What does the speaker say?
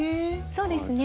そうですね